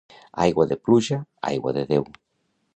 Aigua de pluja, aigua de Déu.